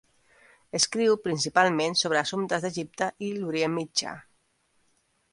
Escriu principalment sobre assumptes d'Egipte i l'Orient Mitjà.